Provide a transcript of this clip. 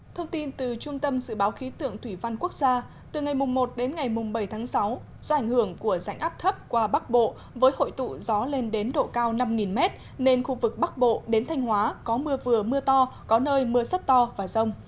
thông tin từ trung tâm dự báo khí tượng thủy văn quốc gia từ ngày một đến ngày bảy tháng sáu do ảnh hưởng của rãnh áp thấp qua bắc bộ với hội tụ gió lên đến độ cao năm m nên khu vực bắc bộ đến thanh hóa có mưa vừa mưa to có nơi mưa rất to và rông